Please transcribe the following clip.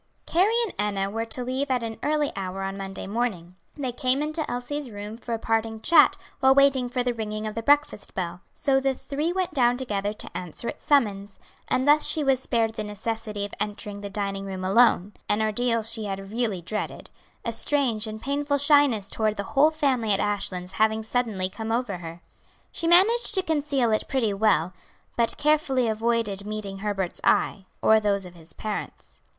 Carrie and Enna were to leave at an early hour on Monday morning. They came into Elsie's room for a parting chat while waiting for the ringing of the breakfast bell; so the three went down together to answer its summons, and thus she was spared the necessity of entering the dining room alone an ordeal she had really dreaded; a strange and painful shyness toward the whole family at Ashlands having suddenly come over her. She managed to conceal it pretty well, but carefully avoided meeting Herbert's eye, or those of his parents.